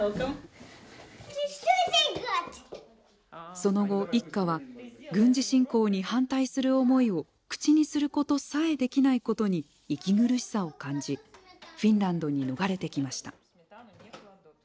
その後、一家は軍事侵攻に反対する思いを口にすることさえできないことに息苦しさを感じフィンランドに逃れてきました。